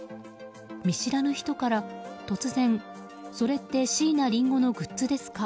見知らぬ人から、突然それって椎名林檎のグッズですか？